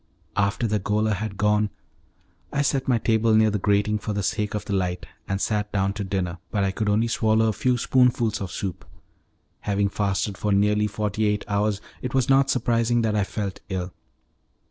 After the gaoler had gone, I set my table near the grating for the sake of the light, and sat down to dinner, but I could only swallow a few spoonfuls of soup. Having fasted for nearly forty eight hours, it was not surprising that I felt ill.